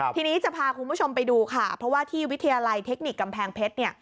ทีนี้จะพาคุณผู้ชมไปดูค่ะเพราะว่าที่วิทยาลัยเทคนิคกำแพงเพชรเนี่ย